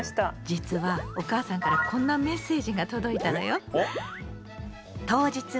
実はお母さんからこんなメッセージが届いたのよ。